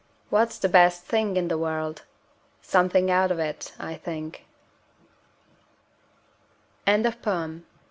What's the best thing in the world? Something out of it, I think. WHERE'S AGNES?